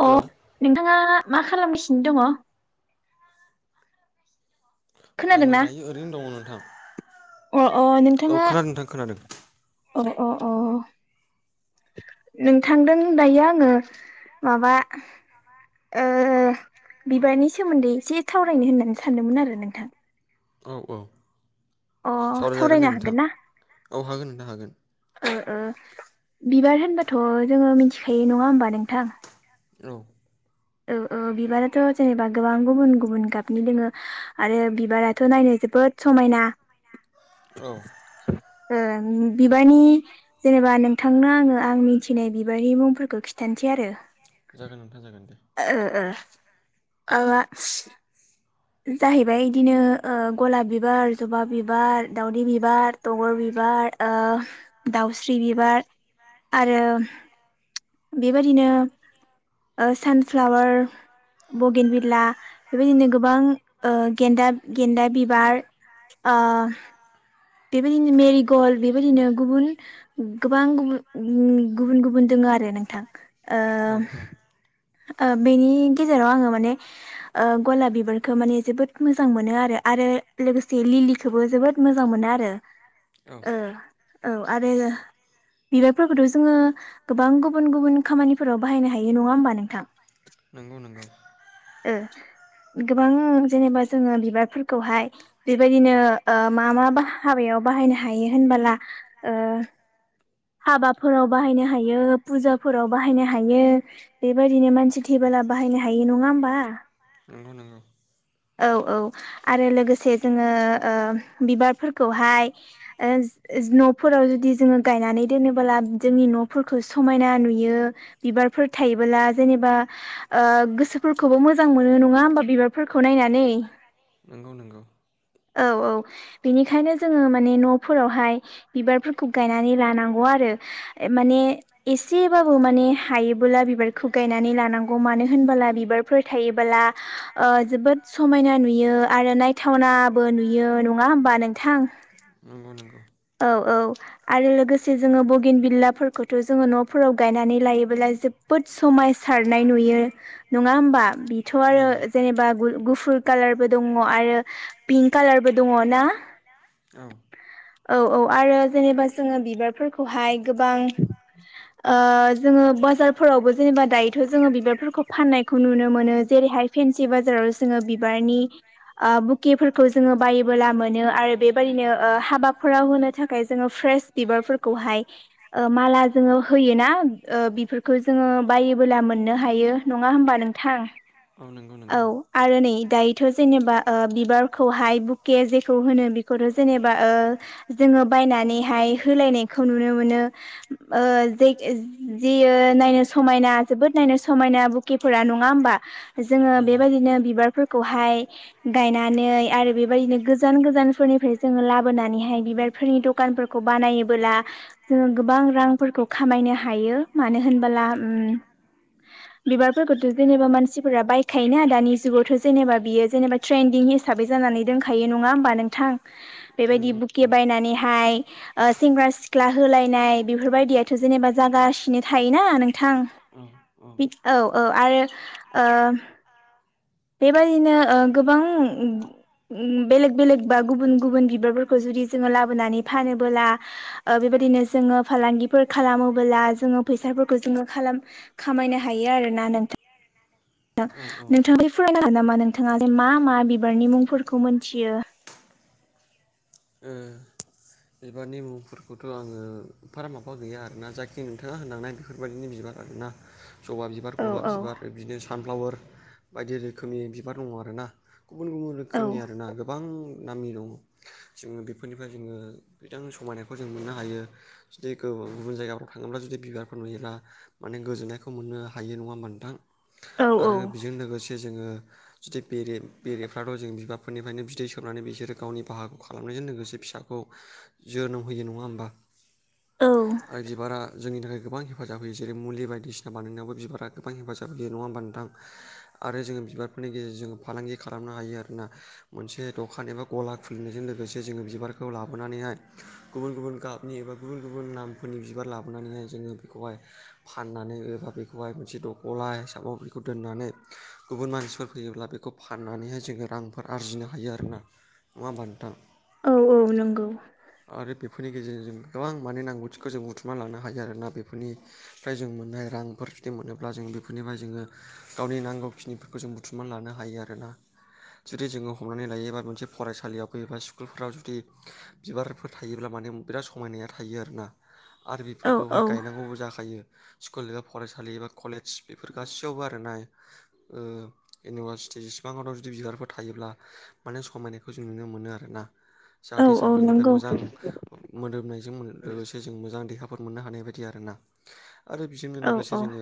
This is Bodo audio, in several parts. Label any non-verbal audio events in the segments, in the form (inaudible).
अ हेलौ नोंथाङा मा खालामगासिनो दङ? आङो खोनादोंना दायो ओरैनो दङ नोंथां अ अ औ नोंथाङा खोनादों नोंथां खोनादों अ अ अ नोंथांदों दायो आङो माबा ओ बिबारनि सोमोन्दै एसे सावरायनो होननानै सानदोंमोन आरो नोंथां औ औ अ सावरायजागोन सावरायनो दे हागोन नोंथां ना औ हागोन नोंथां हागोन ओ ओ बिबार होनबाथ' जोङो मिथिखायो नङा होमबा नोंथां औ ओ ओ बिबाराथ' जेनेबा गोबां गुबुन गुबुन गाबनि दोङो आरो बिबाराथ' नायनो जोबोद समायना औ ओ बिबारनि जेनेबा नोंथांनो आङो आं मिथिनाय बिबारनि मुंफोरखौ खिन्थानोसै आरो जागोन नोंथां जागोन दे ओ ओ माबा (unintelligible) जाहैबाय बिदिनो ओ गलाब बिबार जबा बिबार दाावदै बिबार दगर बिबार दाउस्रि बिबार आरो बेबादिनो सानफ्लावार बगेन बिला बेबायदिनो गोबां गेन्दा गेन्दा बिबार बिदिनो मेरि गल बेबायदिनो गुबुन गोबां गुबुन गुबुन गुबुन दंङो आरो नोंथां औ औ बेनि गेजेराव आंङो माने गलाब बिबारखो माने जोबोद मोजां मोनो आरो आरो लोगोसे लिलिखौबो जोबोद मोजां मोनो आरो औ औ आरो बिबायारफोरखौथ' जोंङो गोबां गुबुन गुबुन खामानिफोराव बाहायनो हायो नङा होमबा नोंथां नंगौ नंगौ ओ गोबां जेनेबा जोंङो बिबारफोरखौहाय बेबायदिनो मा मा बा हाबायाव बाहायनो हायो होनबोला ओ हाबाफोराव बाहायनो हायो फुजाफोराव बाहायनो हायो बेबायदिनो मानसि थैबोला बाहायनो हायो नङा होमबा नंगौ नंगौ औ औ आरो लोगोसे जोंङो ओ बिबारफोरखौहाय ओ (unintelligible) न'फोराव जुदि जोंङो गायनानै दोनोबोला जोंनि न'फोरखौ समायना नुयो बिबारफोर थायोबोला जेनेबा आ गोसोफोरखौबो मोजां मोनो नङा होमबा बिबारफोरखौ नायनानै नंगौ नंगौ औ औ बिनि खायनो जोङो माने न'फोरावहाय बिबारफोरखौ गायनानै लानांगौ आरो माने एसेबाबो माने हायोबोला बिबारखौ गायनानै लानांगौ मानो होनबोला बिबार फोर थायोला ओ जोबोद समायना नुयो आरो नायथावनाबो नुयो नङा होमबा नों नङा होमबा नोंथां नंगौ औ औ आरो लोगोसे जोङो बगिन बिलाफोरखौथ' जोङो न'फोराव गायनानै लायोबोब्ला जो बोद समायसारनाय नुयो नङा होमबा बेथ' आरो जेनेबा गुफुर खालारबो दङो आरो पिंक खालारबो दङो ना औ औ औ आरो जेनेबा जोङो बिबारफोरखौहाय गोबां आ जोङो बाजारफोरावबो जेनेबा दायोथ' जोङो बिबारफोरखौ फाननायखौ नुनो मोनो जेरैहाय फेनसि बाजाराव जोङो बिबारनि आ बुकेफोरखौ जोङो बायोबोला मोनो आरो बेबायदिनो हाबाफोराव होनो थाखाय जोङो फ्रेस बिबारफोरखौहाय माला जोङो होयोना बिफोरखौ जोङो बायोबोला मोननो हायो नङा होमबा नों थां नंगौ औ नंगौ आरो नै दायोथ' जेनेबा बिबारखौहाय बुके जेखौ होनो बे खौथ' जेनेबा ओ जोङो बायनानैहाय होलायनायखौ नुनो मोनो ओ जे जेयो नायनो समायना जोबोद नायनो समायना बु के फोरा नङा होनबा जोङो बेबायदिनो बिबारफोर खौहाय गायनानै आरो बेबायदिनो गोजान गोजानफोरनि ओमफ्राय जोङो लाबोनानैहाय बिबारफोरनि दखानफोरखौ बानायोबोला जोङो गोबां रांफोरखौ खामायनो हायो मानो होनबोला उम बिबारफोरखौथ' जेनेबा मानसिफोरा बायखायोना दानि जुगावथ' जेनेबा बियो जेनेबा ट्रेन्दिं हि साबै जानानै दोनखायो नङा होमबा नोंथां बेबायदि नोंथां बुके बायनानैहाय ओ सेंग्रा सिख्ला होलायनाय बेफोरबायदियाथ' जेनेबा जागासिनो थायोना नोंथां औ औ थिग औ औ आरो ओ बेबायदिनो ओ गोबां बेलेग बेलेग बा गुबुन गुबुन बिबारफोरखौ जुदि जोङो लाबोनानै फानोबोला ओ बेबायदिनो जोङो फालांगिफोर खालामोबोला जोङो फैसाफोरखौ जोङो खालाम खामायनो हायो आरोना नोंथां नोंथां औ औ नोंथाङालाय फरायनो हागोन नामा नोंथाङालाय मा मा बिबारनि मुंफोरखौ मोनथियो ओ बिबारनि मुंफोरखौथ' आङो फारा माबा गैया आरोना जायखि नोंथाङा होनलांनाय बेफोरबायदिनि बिबार आरोना जबा बिबार औ गलाब औ बिबारदिनो सानफ्लावार बायदि रोखोमनि बिबार दङ आरो ना गुबुन गुबुन औ रोखोमनि आरो ना गोबां नामनि दङ जोङो बेफोरनिफ्राय जोङो गोजां समायनायखौ जों मोननो हायो जुदिुन गुबुन जायगाफ्राव थाङोब्ला जुदि बिबारफोर नुयोब्ला माने गोजोननायखौ मोननो हायो नङा मोनदां औ आरो बेजों लोगोसे जे जोङो जुदि बेे बेरेफ्राथ' जों बिबारफोरनिफ्रायनो बिदै सोबनानै बिसोरो गावनि बाहागखौ खालामनायजों लोगोसे फिसाखौ जोनोम होयो नङा होमबा औ आरो बिबारा जोंनि थाखाय गोबां हेफाजाब होयो जेरै मुलि बायदिसिना बानायनायावबो बिबारा गोबां हेफाजाब होयो नङा होना नोंथां आरो जोङो बिबारफोरनि गेजेरजोंो फालांगि खालामनो हायो आर ना मोनसे दखान एबा गला खुलिनायजों लोगोसे जोङो बिबारखौ लाबोनानैहाय गुबुन गुबुन गाबनि एबा गुबुन गुबुन नामफोरनि बिबार लाबोनानैहाय जोङो बेखौहाय फाननानै एबा बेखौहाय मोनसे दख'ला हिसाबाव बेखौ दोननानै गुबुन मानसिफोर फैयोब्ला बेखौ फाननानैहाय जोङो रांफोर आरजिनो हायो आरोोना नङा होमबा नोंथां औ औ नंगौ आरो बेफोरनि गेजेरजों जों गोबां माने नांगौथिखौ जों बुथुमना लानो हायो आरोना बेफोरनि फ जों मोननाय रांफोर जुदि मोनोब्ला जों बेफोरनिफ्राय जोङो गावनि नांगौ खिनिफोरखौ जों बुथुमनानै लानो हायो आरोना जुदि जोङो हमनानै लायोबा मोनसे फरायसालियाव गैयोबा स स्कुलफोराव जुदि बिबारफोर थायोब्ला माने बिराद समायनाया थायो आरो ना आरो औ औ बेफोरखौहाय गायनांगौबो जाखायो स्कुल एबा फरायसालि एबा कलेज बेफोर गासैयावबो आर ना इउनिभारसिटि जसेबांवान' जुदि बिबारफोर थायोब्ला माने समायनायखौ जों नुनो मोनो आरोना औ जाहाथे जों औ बिनिफ्राय नंगौ मोजां मोदोमनायजों लोगोसे जों मोजां देहाफोर मोननो हानाय बायदि आरोना आरो बेजोंनो औ लोगोसे औ जोङो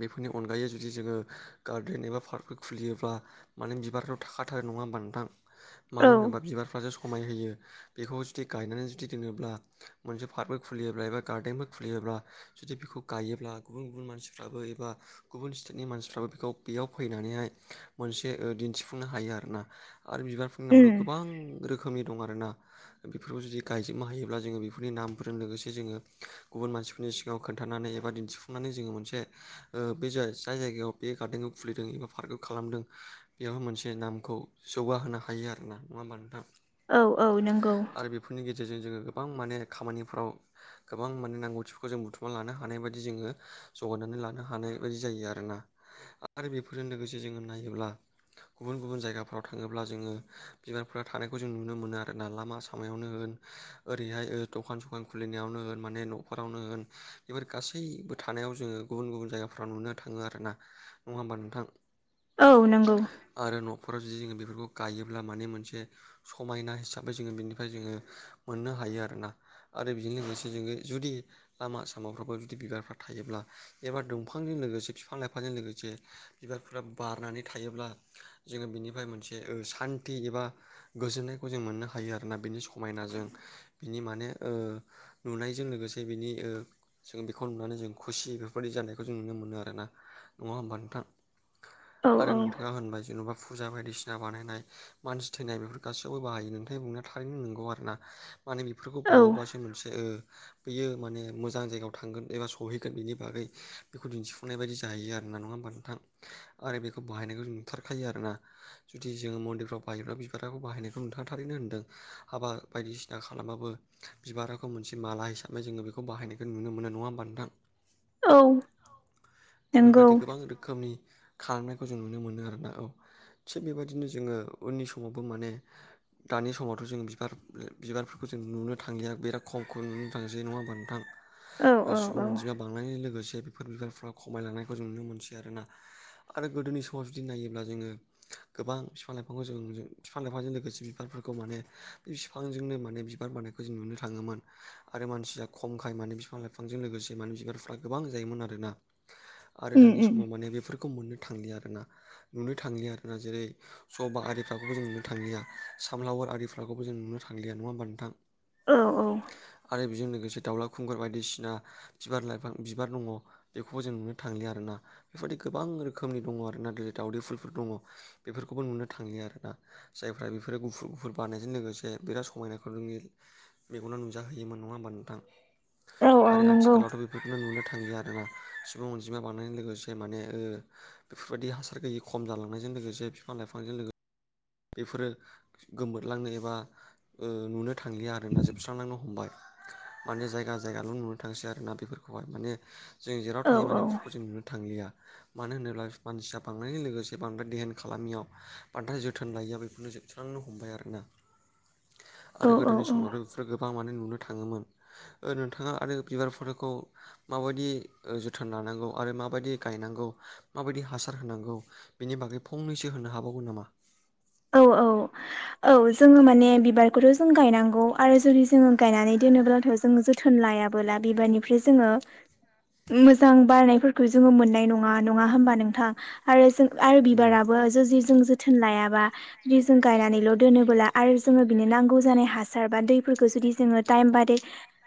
बेफोरनि अनगायै जुदि जोङो गार्देन एबा पार्कफोर खुलियोब्ला माने बिबार' थाखाथार नङा होनोमबा नोंथां मानो औ होनोबा बिबार ज समाय होयो बेखौ जुदि गायनानै जुदि दोनङोब्ला मोनसे पार्कबो खुलियोब्ला एबा गार्डेनबो खुलियोब्ला जुदि बेखौ गायोब्ला गुबुन गुबुन मानसिफ्राबो एबा गुबुन स्टेटनि मानसिफ्राबो बेखौ बेयाव फैनानैहाय मोनसे दिन्थिफुंनो हायो आर ना आरो बिबारफोरनि नामावथ' उम गोबां रोखोमनि दं आरोना बेफोरखौ जुदि गायजोबनो हायोब्ला जोङो बेफोरनि नामफोरजों लोगोसे जोङो गुबुन मानसिफोरनि सिाव खोन्थानानै एबा दिन्थिफुंनानै जोङो मोनसे बे जाय जायगायाव बे गार्देनखौ खुलिदों एबा पार्क खालामदों बेयावहाय मोनसे नामखौ जौगाहोनो हायो आर ना नङा होमबा नोंथाङां औ औ नंगौ बेफोरनि गेजेरजों जोङो गोबां माने खामानिफ्राव गोबां माने नांगौथिफोरखौ जों बुथुमना लानो हानाय बायदि जोङो जगायनानै लानो हानाय बायदि जायो आरोना आरो बेफोरजों लोगोसे जोङो नायोब्ला गुबुन गुबुन जायगाफ्राव थाङोब्ला जोङो बिबारफोरा थानाय खौ जों नुनो मोनो आरोना लामा सामायावनो होन ओरैहाय दखान सखान खुलिनायावनो होन माने न'खरावनो होन बेफोर गासैबो थानायाव जोङो गुबुन गुबुन जायगाफ्राव नुनो थाङो आर ना नङा होमबा नोंथां औ नंगौ आरो न'खराव जुदि जोङो बेफोरखौ गायोब्ला माने मोनसे समायना हिसाबै जोङो बेनिफ्राय जोङो मोननो हायो आरोना आरो बेजों लोगोसे जोङो जुदि लामा सामाफ्रावाबो जुदि बिबारफ्रा थायोब्ला एबा दंफांजों लोगोसे बिफां लाइफांजों लोगोसे बिबारफोरा बारनानै थायोब्ला जोङो बिनिफ्राय मोनसे सान्थि एबा गोजोन्नायखौ जों मोननो हायो आरोोना बिनि समायनाजों बिनि माने नुनायजों लोगोसे बेनि जों बेखौ नुनानै जों खुसि बेफोरबायदि जानायखौ जों नुनो मोनो आरोना नङा होमबा नोंथां औ आरो औ नोंथाङा होनबाय जेन'बा फुजा बायदिसिना बानायनाय मानसि थैनाय बेफोरखौ गासियावबो बाहायो नोंथांनि बुंनाया थारैनो नंगौ आरोना माने बेफोरखौ औ बावोबासो मोनसे बेैयो माने मोजां जायगायाव थांगोन एबा सहैगोन बिनि बागै बेखौ दिन्थिफुंनाय बायदि जाहैयो आरो ना नङा होमबा नोंथां आरो बेखौ बाहायनायखौ जों नुथारखायो आरोना जुदि जोङो मन्दिरफ्राव बाहायोब्ला बिबार खौ बाहायनायखौ नोंथाङा थारैनो होनदों हाबा बायदिसिना खालामाबो बिबाराखौ मोनसे माला हिसाबै (unintelligible) जोङो बेखौ बाहायखो नुनो मोनो नङा होमबा नोंथां (inaudible) औ नंगौ बेफोरबायदि गोबां रोखोमनि खालामनायखौ जों नुनो मोनो आरोना औ थिग बेबायदिनो जोङो उननि समावबो माने दानि समावथ' जों बिबार बिबारफोरखौ जों नुनो थांलिया बिराद खमखौ नुनो थांसै नङा होमबा नोंथां औ औ सुबुं औ अनजिमाया बांनायनि लोगोसे बेफोर बिबारफ्रा खमायलांनायखौ जों नुनो मोनसै आरो ना आरो गोदोनि समाव जुदि नायोब्ला जोङो गोबां बिफां लाइफांखौ जों फिफां लाइफांजों लोगोसे बिबारफोरखौ माने बे फिफांजोंनो माने बिबार बानायखौ जों नुनो थाङोमोन आरो मानसिया खमखाय माने बिफां लाइफांजों लोगोसे माने बिबारफ्रा गोबां जायोमोन आरोना (inaudible) आरो दानि उम समाव माने बेफोर मोननो थांया आरो ना नुनो थांलि आरोना जेरै जबा आरि (unintelligible) जों नुनो थांलिया सामलावार आरि फुलाखौबो जों नुनो थांलि नङा होमबा नोंथां औ औ आरो बेजों लोगोसे दावला खुंगुर बायदिसिना बिबार लाइफां बिबार दङ बेखौबो जों नुनो थांलिया आरो ना बेफोरबायदि गोबां रोखोमनि दङ आरो ना जरै दावदै फुलफोर दङ बेफोरखौबो नुनो थांलि आरो ना जायफ्रा बेफोरो गुफुर गुफुर बारनायजों लोगोसे बिराद समायनाखौनो नुयो मेगननाव नुजाहोयोमोन नङा होमबा नोंथां औ औ आरो नंगौ आथिखालावथ' बे बेफोरखौनो नुनो थांयो आरोना सुबुं अनजिमा बानायनायजों लोगोसे माने बेफोरबायदि हासार गैयि खम जालांनायजों लोगोसे बिफां लाइफांजों लोगो बेफोरो गोमोरलांनो एबा नुनो थांलिया आरोना जोबस्रांलांनो हमबाय माने जायगा जायगाल' नुनो थांसै आरोना बेफोरखौहाय माने जों जेराव औ थायो माने बेफोरखौ जों नुनो थांलिया मानो होनोब्ला मानसिया बांनायजों लोगोसे बांद्राय दहोन खालामियाव बाद्राय जोथोन लायोैया बेफोरनो जोबस्रांनो हमबाय आरोना आरो औ औ गोदोनि औ समावथ' फोर गोबां माने नुनो थाङोमोन नोंथाङा आरो बिबारफोरखौ माबायदि जोथोन लानांगौ आरो माबायदि गायनांगौ माबायदि हासार होनांगौ बेनि बागै फंनैसो होननो हाबावगोन नामा औ औ औ जोङो माने बिबारखौथ' जों गायनांगौ आरो जुदि जोङो गायनानै दोनोब्लाथ' जो जोथोन लायाबोला बिबारनिफ्राय जोङो मोजां बारनायफोरखौ जोङो मोननाय नङा नङा होमबा नोंथां आरो जों आरो नोंगौ बिबाराबो जुदि जों जोथोन लायाबा जुदि जों गायनानैल' दोनोबोला आरो जोङो बिनो नांगौ जानाय हासार बा दैफोरखौ जुदि जोङो टाइम बादि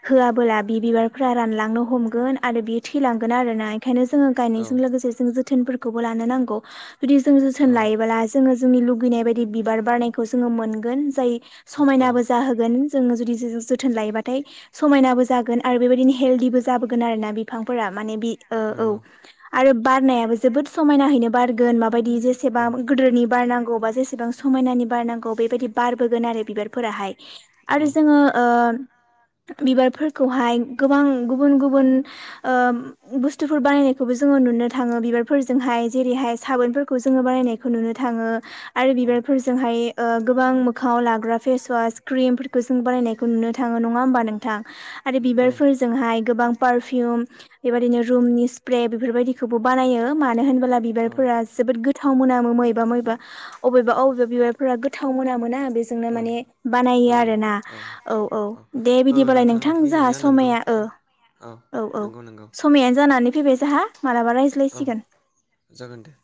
होआबोला बि बिबारफ्रा रानलांनो हमगोन आरो बियो थैलांगोन आरोना ओंखायनो जोङो गायनायजों लोगोसे जों जोथोनफोरखौबो लानो नांगौ जुदि जों जोथोन औ औ लायोबोला जोङो जोंनि लु गैनाय बायदि बिबार बारनायखौ जोङो मोनगोन जाय औ समायनाबो जाहोगोन जोङो जुदि जों जोथोन लायोबाथाय समायनाबो जागोन आरो बेबादिनो हेलदिबो जाबोगोन आरोना बिफांफोरा माने बि ओ औ नंगौ आरो बारनायाबो जोबोद समायनाहैनो बारगोन बायदि जेसेबा गोदोरनि बारनांगौबा जेसेबां समायनानि बारनांगौ बेबायदि बारबोगोन आरो बिबारफोराहाय औ आरो जोङो ओ बिबारफोरखौहाय गोबां गुबुन गुबुन ओ बुस्तुफोर बानायनायखौबो जोङो नुनो थाङो बिबारफोरजोंहाय जेरैहाय साबोनफोरखौ जोङो बानायनाय खौ नुनो थाङो आरो बिबारफोरजोंहाय ओ गोबां मोखाङाव लाग्रा फेसवास क्रिमफोरखौ जों बानायनाय नुनो थाङो नङा ओमबा नोंथां आरो नोंगौ बिबारफोर जोंहाम पारफिउम बेबादिनो रुमनि इसप्रे बेफोरबायदिखौबो बानायो मानो होनबोला बिबारफोरा जोबोद गोथाव मोनामो मबेबा मबेबा। अबेबा अबेबा बिबारफोरा गोथाव मोनामोना बेजोंनो मोदोमो माने औ औ बानायो आरोना औ औ दे ओ बिदिबालाय नोंथां नोंथांनि जोंहा होननाया नोंगौ समाया ओ थार औ औ नंगौ नंगौ समायानो जानानै फैबाय जोंहा मालाबा औ रायज्लायसिगोन। जागोन दे